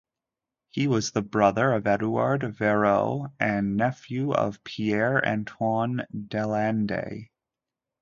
He was the brother of Edouard Verreaux and nephew of Pierre Antoine Delalande.